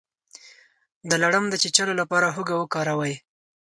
د لړم د چیچلو لپاره هوږه وکاروئ